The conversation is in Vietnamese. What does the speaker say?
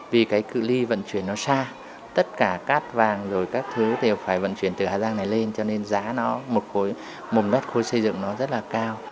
vì cái cự li vận chuyển nó xa tất cả cát vàng rồi các thứ đều phải vận chuyển từ hà giang này lên cho nên giá nó một mét khối xây dựng nó rất là cao